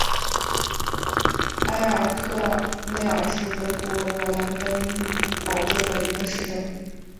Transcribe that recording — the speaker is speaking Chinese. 埃尔克内尔是德国勃兰登堡州的一个市镇。